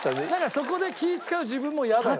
そこで気ぃ使う自分もイヤだよな。